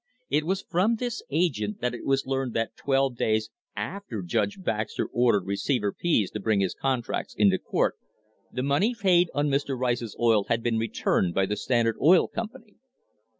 It was from this agent that it was learned that, twelve days after Judge Baxter ordered Receiver Pease to bring his contracts into court, the money paid on Mr. Rice's oil had been returned by the Standard Oil Company.